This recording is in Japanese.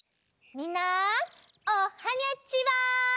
みんなおはにゃちは！